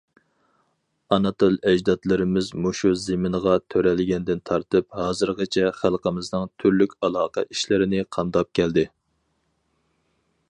ئانا تىل ئەجدادلىرىمىز مۇشۇ زېمىنغا تۆرەلگەندىن تارتىپ ھازىرغىچە خەلقىمىزنىڭ تۈرلۈك ئالاقە ئىشلىرىنى قامداپ كەلدى.